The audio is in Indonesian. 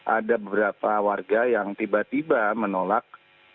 ada beberapa warga yang tiba tiba menolak